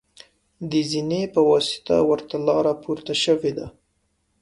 د زینې په واسطه ورته لاره پورته شوې ده.